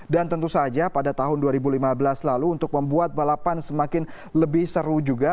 dan tentu saja pada tahun dua ribu lima belas lalu untuk membuat balapan semakin lebih seru juga